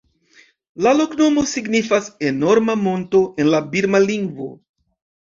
La loknomo signifas "enorma monto" en la birma lingvo.